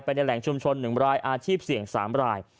ในแหล่งชุมชน๑รายอาชีพเสี่ยง๓ราย